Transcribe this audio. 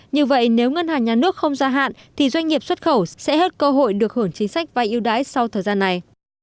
như vậy nếu ngân hàng nhà nước không gia hạn thì doanh nghiệp xuất khẩu sẽ hết cơ hội được hưởng chính sách vai yêu đãi sau thời gian này